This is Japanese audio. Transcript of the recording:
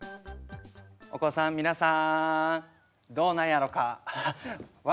お子さん皆さんどうなんやろか？笑